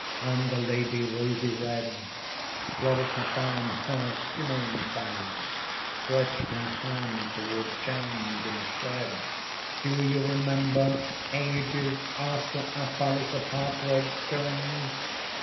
And the lady, rosy red, Flourished her fan, her shimmering fan, Stretched her hand toward Chang, and said: "Do you remember, Ages after, Our palace of heart red stone?